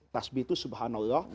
tasbih itu subhanallah